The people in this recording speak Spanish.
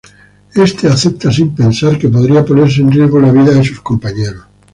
Este acepta sin pensar que podría poner en riesgo la vida de sus compañeros.